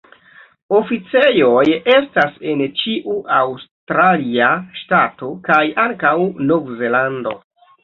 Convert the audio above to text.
Oficejoj estas en ĉiu aŭstralia ŝtato kaj ankaŭ Nov-Zelando.